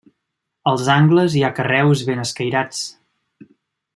Als angles hi ha carreus ben escairats.